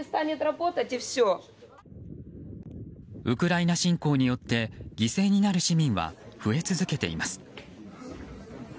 ウクライナ侵攻によって犠牲になる市民は増え続けています。